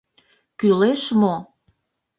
Кӱлеш мо?